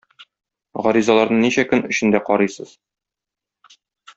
Гаризаларны ничә көн эчендә карыйсыз?